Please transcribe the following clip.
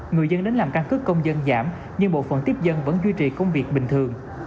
người dân đến làm căn cứ công dân giảm nhưng bộ phận tiếp dân vẫn duy trì công việc bình thường